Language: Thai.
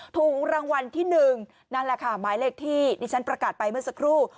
ถูกรางวัลที่๑นั่นแหละค่ะหมายเลขที่ดิฉันประกาศไปเมื่อสักครู่